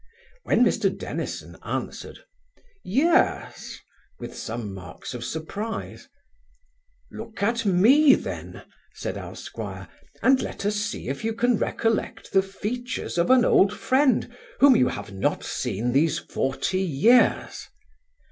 When Mr Dennison answered, 'Yes,' with some marks of surprise 'Look at me then (said our squire) and let us see if you can recollect the features of an old friend, whom you have not seen these forty years.